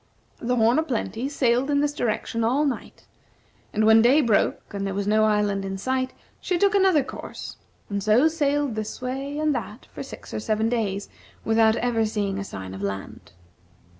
The "Horn o' Plenty" sailed in this direction all night, and when day broke, and there was no island in sight, she took another course; and so sailed this way and that for six or seven days, without ever seeing a sign of land.